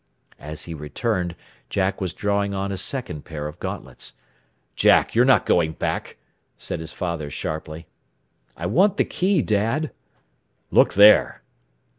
As he returned Jack was drawing on a second pair of gauntlets. "Jack, you're not going back!" said his father sharply. "I want the key, Dad." "Look there."